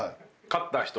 勝った人？